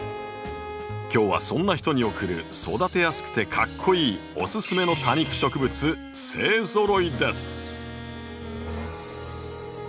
今日はそんな人におくる育てやすくてかっこイイおススメの多肉植物勢ぞろいです。